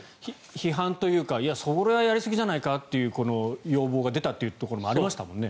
批判というかそれはやりすぎじゃないかってこの要望が海外から出たというところもありましたよね。